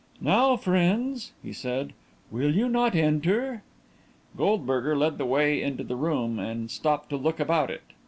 "Now, friends," he said, "will you not enter?" Goldberger led the way into the room and stopped to look about it.